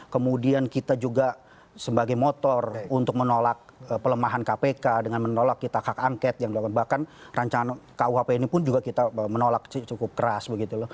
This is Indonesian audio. kemudian kita juga sebagai motor untuk menolak pelemahan kpk dengan menolak kita hak angket yang dilakukan bahkan rancangan kuhp ini pun juga kita menolak cukup keras begitu loh